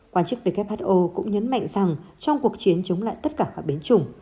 quan chức who cũng nhấn mạnh rằng trong cuộc chiến chống lại tất cả các biến chủng